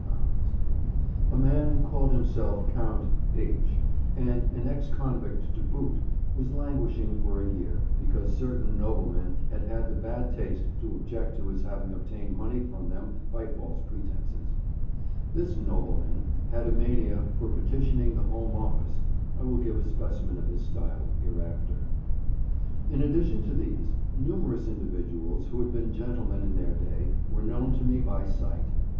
A man who called himself Count H—, and an ex convict to boot, was languishing for a year, because certain noblemen had had the bad taste to object to his having obtained money from them by false pretences. This nobleman! had a mania for petitioning the Home Office (I will give a specimen of his style hereafter). In addition to these, numerous individuals who had been gentlemen in their day were known to me by sight.